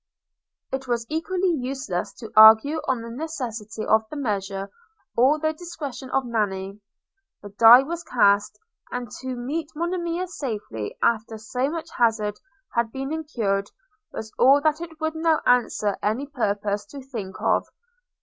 It was equally useless to argue on the necessity of the measure, or the discretion of Nanny. The die was cast; and to meet Monimia safely after so much hazard had been incurred, was all that it would now answer any purpose to think of.